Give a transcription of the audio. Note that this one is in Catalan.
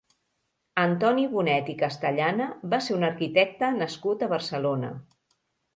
Antoni Bonet i Castellana va ser un arquitecte nascut a Barcelona.